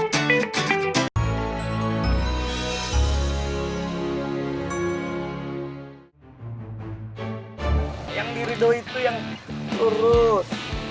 hai yang dirido itu yang lurus